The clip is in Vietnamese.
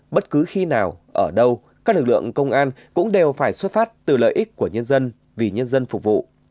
bất cứ khi nào ở đâu các lực lượng công an cũng đều phải xuất phát từ lợi ích của nhân dân vì nhân dân phục vụ